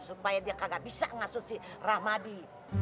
supaya dia kagak bisa ngasuh si rahmadi